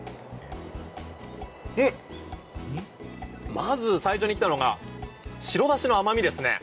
まず最初に来たのが白だしの甘みですね。